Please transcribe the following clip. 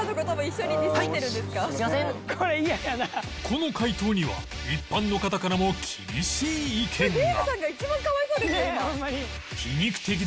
この回答には一般の方からも厳しい意見が